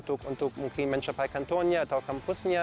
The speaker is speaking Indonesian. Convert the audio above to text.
untuk mungkin mencapai kantornya atau kampusnya